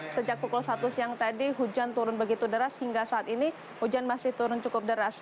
sejak pukul satu siang tadi hujan turun begitu deras hingga saat ini hujan masih turun cukup deras